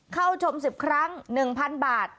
เข้าชมสิบครั้งหนึ่งพันบาท